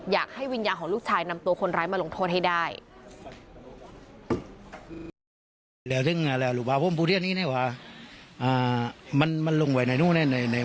อยากให้วิญญาณของลูกชายนำตัวคนร้ายมาลงโทษให้ได้